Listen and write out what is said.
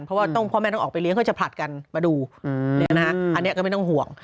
เพราะว่าพ่อแม่ต้องออกไปเลี้ยเขาจะผลัดกันมาดูอันนี้ก็ไม่ต้องห่วง